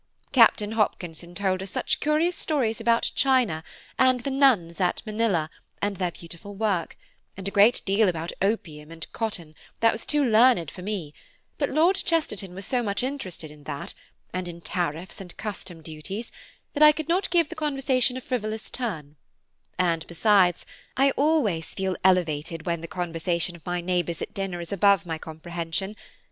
Captain Hopkinson told us such curious stories about China, and the nuns at Manilla, and their beautiful work; and a great deal about opium and cotton that was too learned for me, but Lord Chesterton was so much interested in that, and in tariffs and custom duties, that I could not give the conversation a frivolous turn; and besides, I always feel elevated when the conversation of my neighbours at dinner is above my comprehension.